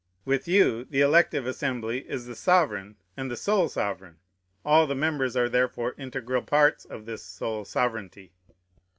With you the elective Assembly is the sovereign, and the sole sovereign; all the members are therefore integral parts of this sole sovereignty.